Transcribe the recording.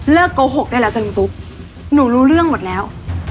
โกหกได้แล้วจ้ะลุงตุ๊กหนูรู้เรื่องหมดแล้ว